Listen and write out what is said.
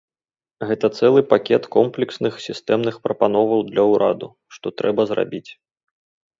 Гэта цэлы пакет комплексных сістэмных прапановаў для ўраду, што трэба зрабіць.